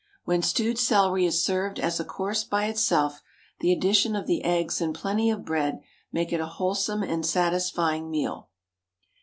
When stewed celery is served as a course by itself, the addition of the eggs and plenty of bread make it a wholesome and satisfying meal.